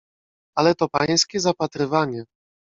"Ale to pańskie zapatrywanie."